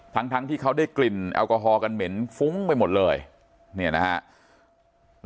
ทั้งทั้งที่เขาได้กลิ่นแอลกอฮอลกันเหม็นฟุ้งไปหมดเลยเนี่ยนะฮะ